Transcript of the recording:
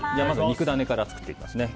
まず肉ダネから作っていきます。